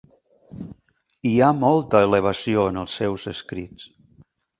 Hi ha molta elevació en els seus escrits.